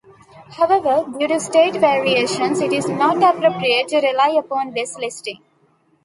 However, due to state variations it is not appropriate to rely upon this listing.